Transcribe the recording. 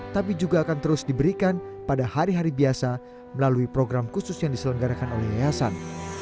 tapi juga akan terus diberikan pada hari hari biasa melalui program khusus yang diselenggarakan oleh yayasan